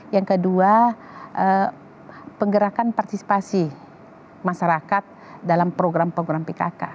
yang kedua penggerakan partisipasi masyarakat dalam program program pkk